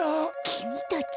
きみたち。